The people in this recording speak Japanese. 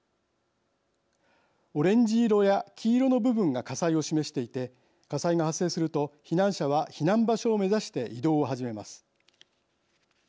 オレンジ色や黄色の部分が火災を示していて火災が発生すると避難者は避難場所を目指して移動を始めます。